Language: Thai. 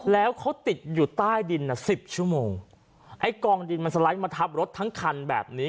แล้วเขาติดอยู่ใต้ดินน่ะสิบชั่วโมงไอ้กองดินมันสไลด์มาทับรถทั้งคันแบบนี้